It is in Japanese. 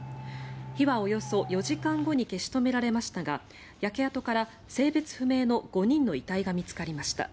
火はおよそ４時間後に消し止められましたが焼け跡から性別不明の５人の遺体が見つかりました。